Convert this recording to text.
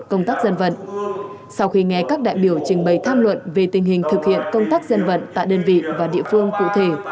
công tác dân vận tại đơn vị và địa phương cụ thể